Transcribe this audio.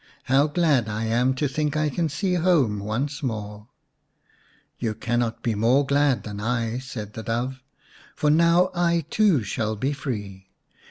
How glad I am to think I can see home once more !"" You cannot be more glad than I," said the Dove, " for now I too shall be free.